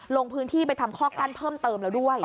ลงพื้นที่ไปทำข้อกั้นเพิ่มเติมแล้วด้วย